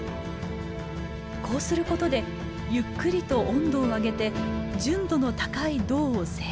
こうすることでゆっくりと温度を上げて純度の高い銅を精錬。